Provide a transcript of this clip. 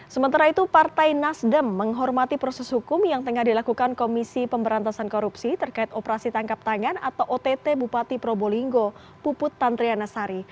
sementara itu partai nasdem menghormati proses hukum yang tengah dilakukan komisi pemberantasan korupsi terkait operasi tangkap tangan atau ott bupati probolinggo puput tantriana sari